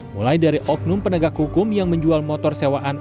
mulai dari oknum penegak hukum yang menjual motor sewaan